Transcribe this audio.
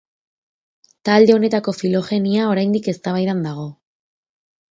Talde honetako filogenia oraindik eztabaidan dago.